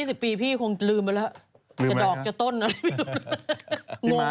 อีก๒๐ปีพี่คือลืมอยู่แล้ว